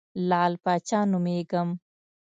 لعل پاچا نومېږم.